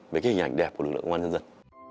về cái hình ảnh đẹp của lực lượng công an nhân dân